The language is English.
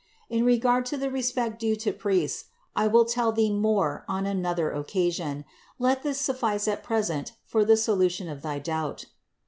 In regard to the respect due to priests I will tell thee more on another occasion ; let this suffice at present for the solution of thy doubt.